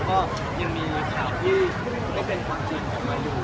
ก็ยังมีข่าวที่เป็นความจริงออกมาอยู่